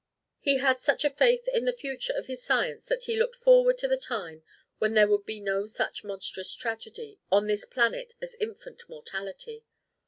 He had such faith in the future of his science that he looked forward to the time when there would be no such monstrous tragedy on this planet as infant mortality.